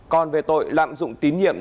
còn về tội lạm dụng tín nhiệm